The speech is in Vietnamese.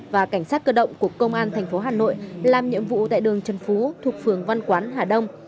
và cảnh sát cơ động của công an thành phố hà nội làm nhiệm vụ tại đường trần phú thuộc phường văn quán hà đông